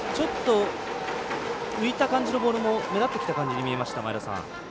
浮いた感じのボールも目立ってきた感じに見えました。